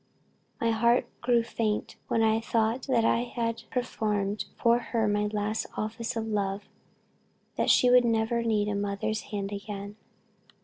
My heart grew faint when I thought that I had performed for her my last office of love; that she would never need a mother's hand again.